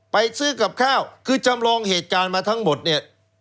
ไปซื้อกับข้าวคือจำลองเหตุการณ์มาทั้งหมดเนี่ย